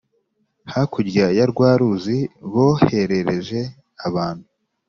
hakurya ya rwa Ruzi boherereje abantu